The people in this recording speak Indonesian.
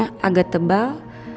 jidatnya agak tebal